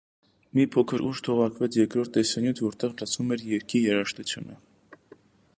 Մի փոքր ուշ թողարկվեց երկրորդ տեսանյութ, որտեղ լսվում էր երգի երաժշտությունը։